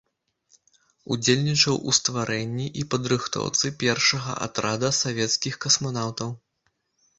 Удзельнічаў у стварэнні і падрыхтоўцы першага атрада савецкіх касманаўтаў.